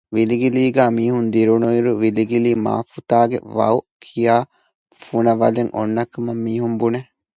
ވިލިގިލީގައި މީހުން ދިރިއުޅުނު އިރު ވިލިގިލީ މަފުތާގެ ވައު ކިޔާ ފުނަވަލެއް އޮންނަކަމަށް މީހުން ބުނެ